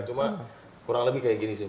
cuma kurang lebih kayak gini sih